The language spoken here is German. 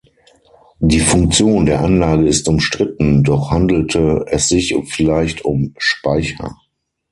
Die Funktion der Anlage ist umstritten, doch handelte es sich vielleicht um Speicher.